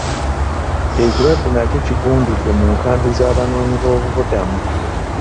Ekirwadde nakyo kigundidde mu nkambi z'Abanoonyiboobubudamu.